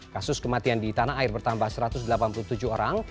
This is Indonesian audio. kasus kematian di tanah air bertambah satu ratus delapan puluh tujuh orang